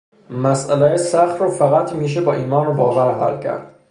مسئلههای سخت رو فقط میشه با ایمان و باور حل کرد